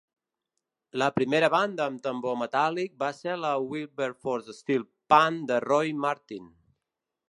La primera banda amb tambor metàl·lic va ser la Wilberforce Steel Pan de Roy Martin.